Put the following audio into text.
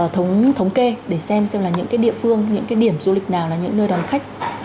thống kê để xem xem là những địa phương những cái điểm du lịch nào là những nơi đón khách